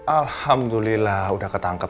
alhamdulillah sudah ketangkap